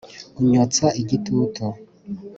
unyotsa igitutu